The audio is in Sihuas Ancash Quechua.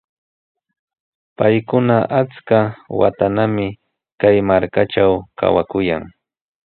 Paykuna achka watanami kay markatraw kawakuyan.